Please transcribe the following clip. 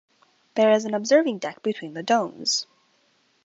There is an observing deck between the domes.